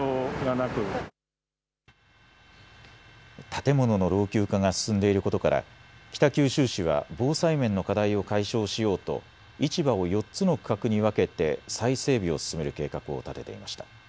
建物の老朽化が進んでいることから北九州市は防災面の課題を解消しようと市場を４つの区画に分けて再整備を進める計画を立てていました。